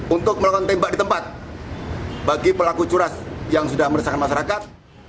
untuk melakukan tembak di tempat bagi pelaku curas yang sudah meresahkan masyarakat